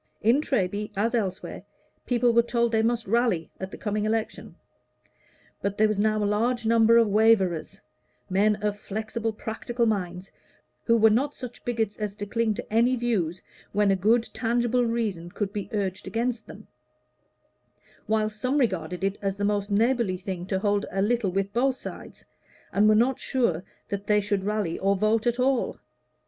In Treby, as elsewhere, people were told they must "rally" at the coming election; but there was now a large number of waverers men of flexible, practical minds, who were not such bigots as to cling to any views when a good tangible reason could be urged against them; while some regarded it as the most neighborly thing to hold a little with both sides, and were not sure that they should rally or vote at all.